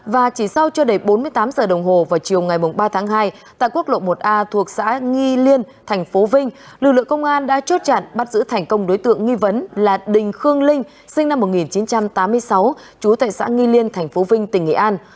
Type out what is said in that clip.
và chỉ sau chưa đầy bốn mươi tám giờ đồng hồ vào chiều ngày ba tháng hai tại quốc lộ một a thuộc xã nghi liên thành phố vinh lực lượng công an đã chốt chặn bắt giữ thành công đối tượng nghi vấn là đình khương linh sinh năm một nghìn chín trăm tám mươi sáu chú tại xã nghi liên tp vinh tỉnh nghệ an